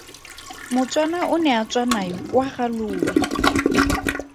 Motswana o ne a tswa nayo kwa ga Lowe.